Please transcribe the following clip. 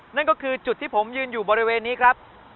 นั่นก็คือจุดที่ผมยืนอยู่บริเวณนี้ครับ